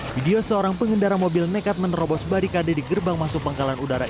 video seorang pengendara mobil nekat menerobos barikade di gerbang masuk pangkalan udara